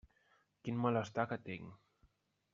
Quin malestar que tinc!